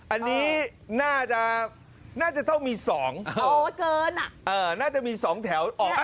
อันนี้น่าจะเท่ามี๒แถวออก